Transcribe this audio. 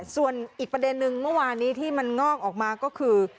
ส่วนอีกประเด็นนึงเมื่อวานนี้ที่มันงอกออกมาก็คือ